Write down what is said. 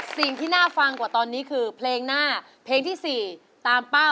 สิ่งที่น่าฟังกว่าตอนนี้คือเพลงหน้าเพลงที่๔ตามเป้า